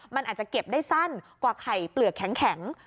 มันอาจจะเก็บได้สั้นกว่าไข่เปลือกแข็ง